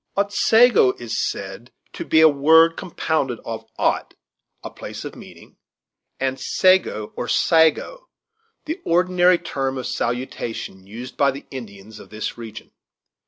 Otsego is said to be a word compounded of Ot, a place of meeting, and Sego, or Sago, the ordinary term of salutation used by the Indians of this region.